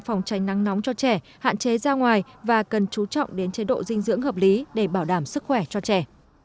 phòng tranh nắng nóng cho trẻ hạn chế ra ngoài và cần chú trọng đến chế độ dinh dưỡng hợp lý để bảo đảm sức khỏe cho trẻ